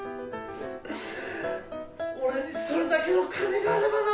俺にそれだけの金があればな！